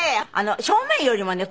「正面よりもね